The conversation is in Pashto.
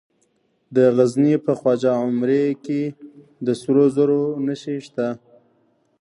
د غزني په خواجه عمري کې د سرو زرو نښې شته.